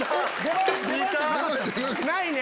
ないね